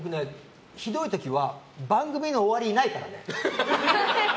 ひどい時は番組の終わりいないからね。